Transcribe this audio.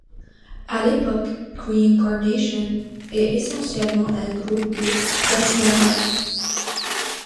À l'époque, Green Carnation est essentiellement un groupe de death metal.